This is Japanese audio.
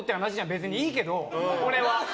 別にいいけど、俺は。